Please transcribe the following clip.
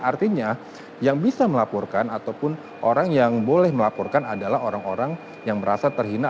artinya yang bisa melaporkan ataupun orang yang boleh melaporkan adalah orang orang yang merasa terhina